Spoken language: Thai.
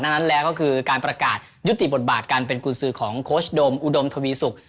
ดังนั้นแล้วก็คือการประกาศยุติบทบาทการเป็นกุญสือของโค้ชโดมอุดมทวีสุก